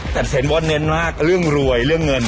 เห็นว่าเน้นมากเรื่องรวยเรื่องเงิน